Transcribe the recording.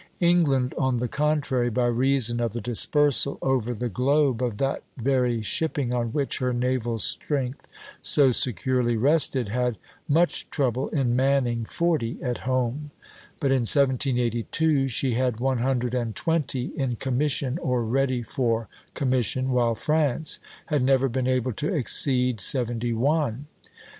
England, on the contrary, by reason of the dispersal over the globe of that very shipping on which her naval strength so securely rested, had much trouble in manning forty at home; but in 1782 she had one hundred and twenty in commission or ready for commission, while France had never been able to exceed seventy one.